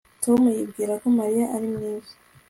Tom yibwira ko Mariya ari mwiza